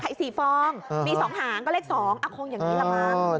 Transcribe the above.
มี๒หางก็เลข๒คงอย่างนี้แหละมา